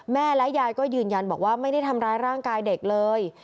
แม่และยายก็ยืนยันบอกว่าไม่ได้ทำร้ายร่างกายเด็กเลย